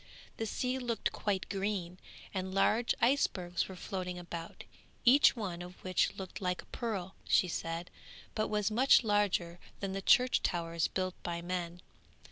The sea looked quite green, and large icebergs were floating about, each one of which looked like a pearl, she said, but was much bigger than the church towers built by men.